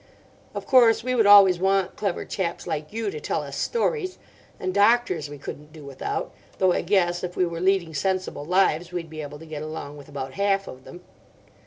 Of course we would always want clever chaps like you to tell us stories; and doctors we couldn't do without, though I guess if we were leading sensible lives we'd be able to get along with about half of them.